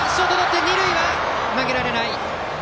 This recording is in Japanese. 二塁は投げられない。